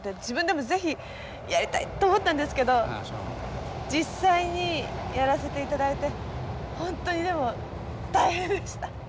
自分でも是非「やりたい」と思ったんですけど実際にやらせて頂いて本当に大変でした。